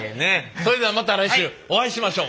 それではまた来週お会いしましょう。